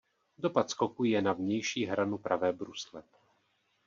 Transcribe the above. Dopad skoku je na vnější hranu pravé brusle.